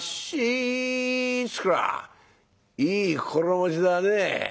いい心持ちだねえ」。